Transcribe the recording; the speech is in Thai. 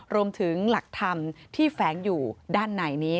รวมถึงหลักธรรมที่แฟ้งอยู่ด้านในนี้